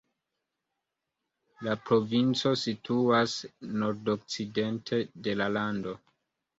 La provinco situas nordokcidente de la lando.